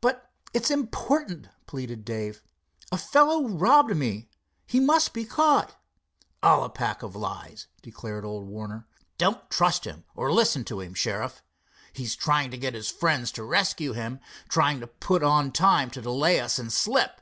"But it's important," pleaded Dave. "A fellow robbed me. He must be caught." "All a pack of lies," declared old Warner. "Don't trust him or listen to him, Sheriff. He's trying to get his friends to rescue him, trying to put on time to delay us, and slip."